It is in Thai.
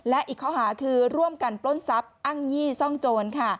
และอีกข้อหาคือร่วมกันปล้นทรัพย์อ้างยี่ซ่องโจร